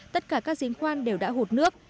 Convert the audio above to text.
tất cả các giếng khoan đều đã hụt nước